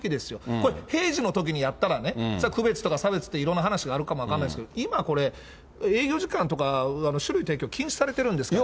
これ、平時のときにやったらね、それは区別とか、差別っていろんな話があるかも分からないですけど、今、これ、営業時間とか、酒類提供禁止されてるんですから。